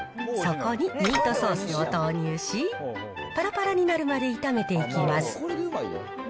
そこにミートソースを投入し、ぱらぱらになるまで炒めていきます。